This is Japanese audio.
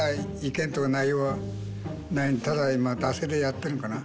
ただ今惰性でやっているんかな。